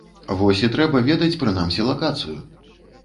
Вось і трэба ведаць прынамсі лакацыю.